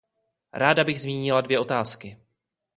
Ráda bych zmínila dvě otázky.